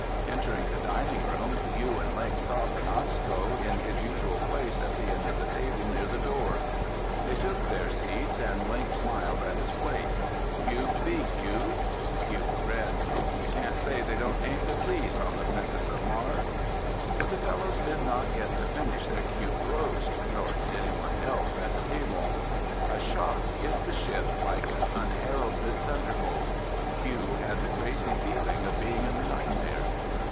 Entering the dining room, Hugh and Link saw Benasco in his usual place at the end of the table near the door. They took their seats and Link smiled at his plate. "Cubed beef, Hugh." Hugh grinned. "You can't say they don't aim to please on the Princess of Mars." But the fellows did not get to finish their cubed roast, nor did anyone else at the table. A shock hit the ship like an unheralded thunderbolt. Hugh had the crazy feeling of being in a nightmare.